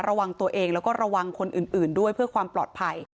ระวังตัวเองแล้วก็ระวังคนอื่นด้วยเพื่อความปลอดภัย